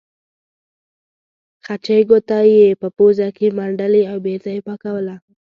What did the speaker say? خچۍ ګوته یې په پوزه کې منډلې او بېرته یې پاکوله.